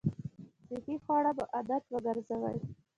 صحي خواړه مو عادت وګرځوئ!